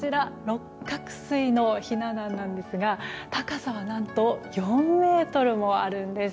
六角錐のひな壇なんですが高さは何と４ｍもあるんです。